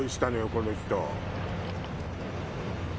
この人。